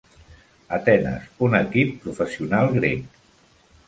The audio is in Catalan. Atenes, un equip professional grec.